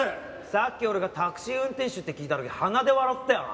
さっき俺が「タクシー運転手？」って聞いた時鼻で笑ったよな？